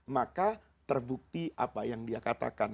maka terbukti apa yang dia katakan